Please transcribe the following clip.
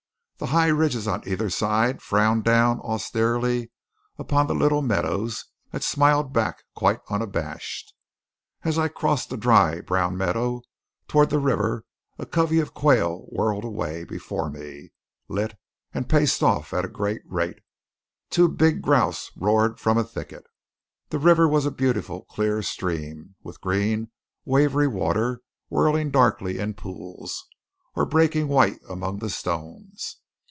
The high ridges on either side frowned down austerely on the little meadows that smiled back quite unabashed. As I crossed the brown dry meadow toward the river a covey of quail whirred away before me, lit, and paced off at a great rate. Two big grouse roared from a thicket. The river was a beautiful, clear stream, with green wavery water whirling darkly in pools, or breaking white among the stones.